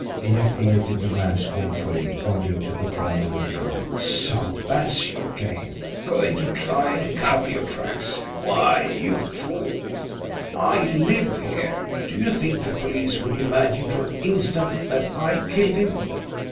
ejaculated the man scornfully, pointing to the form on the floor. "So that's your game! Going to try and cover your tracks! Why, you fool, I LIVE here! Do you think the police would imagine for an instant that I killed him?"